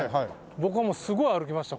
僕はすごい歩きました